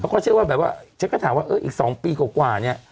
เขาก็เชื่อว่าแบบว่าฉันก็ถามว่าเอออีก๒ปีกว่าเนี่ย